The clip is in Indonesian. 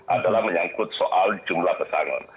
adalah menyangkut soal jumlah pesangon